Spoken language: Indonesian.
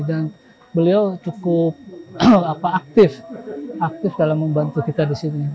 dan beliau cukup aktif dalam membantu kita di sini